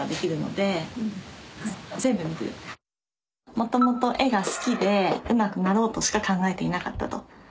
でもともと絵が好きでうまくなろうとしか考えていなかったと。